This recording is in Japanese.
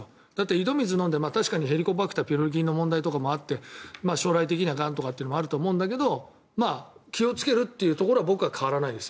井戸水を飲んで確かにヘリコバクターピロリ菌の話とかって将来はがんの問題とかもあると思うんだけど気をつけるところは僕は変わらないです